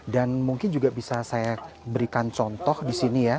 dan mungkin juga bisa saya berikan contoh di sini ya